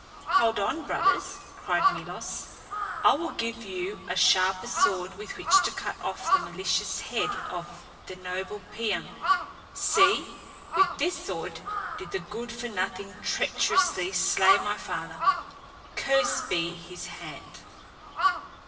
"Hold on, brothers," cried Milos. "I will give you a sharper sword with which to cut off the malicious head of the noble Piam. See, with this sword did the good for nothing treacherously slay my father. Cursed be his hand!"